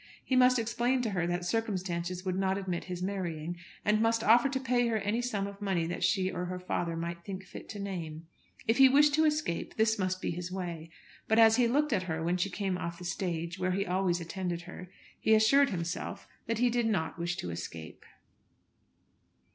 He must explain to her that circumstances would not admit his marrying, and must offer to pay her any sum of money that she or her father might think fit to name. If he wished to escape, this must be his way; but as he looked at her when she came off the stage, where he always attended her, he assured himself that he did not wish to escape.